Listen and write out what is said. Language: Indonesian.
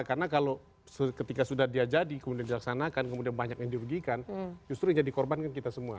karena kalau ketika sudah dia jadi kemudian dilaksanakan kemudian banyak yang diberikan justru yang jadi korban kan kita semua